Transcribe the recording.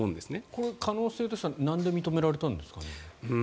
可能性としてはなんで認められたんですかね。